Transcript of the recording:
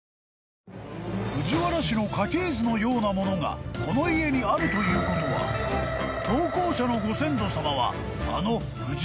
［藤原氏の家系図のようなものがこの家にあるということは投稿者の］